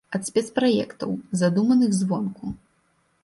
Ад спецпраектаў, задуманых звонку.